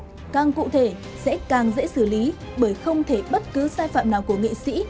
nhưng càng cụ thể sẽ càng dễ xử lý bởi không thể bất cứ sai phạm nào của nghệ sĩ